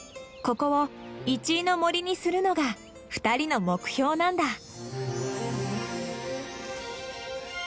ここをイチイの森にするのが２人の目標なんだ。